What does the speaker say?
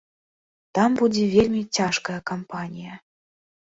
Там будзе вельмі цяжкая кампанія.